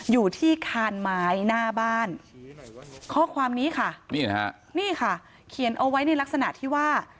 อยู่ที่คานไม้หน้าบ้านข้อความนี้ค่ะนี่นะฮะนี่ค่ะเขียนเอาไว้ในลักษณะที่ว่า